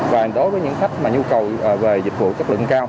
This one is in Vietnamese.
còn đối với những khách mà nhu cầu về dịch vụ chất lượng cao